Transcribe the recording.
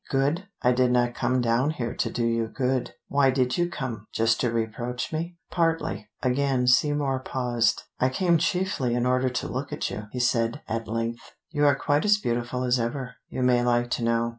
Good? I did not come down here to do you good." "Why did you come? Just to reproach me?" "Partly." Again Seymour paused. "I came chiefly in order to look at you," he said at length. "You are quite as beautiful as ever, you may like to know."